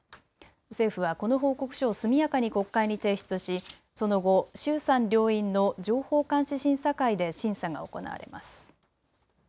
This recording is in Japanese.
政府はこの報告書を速やかに国会に提出しその後、衆参両院の情報監視審査会で審査が行われます。